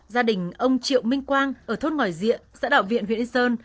gia đình ông triệu minh quang ở thốt ngòi diện giã đạo viện huyện yên sơn